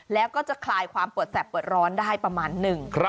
แล้วก็จะคลายความปวดแสบปวดร้อนได้ประมาณหนึ่ง